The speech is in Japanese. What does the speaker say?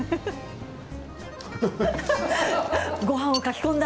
ごはんをかき込んだ。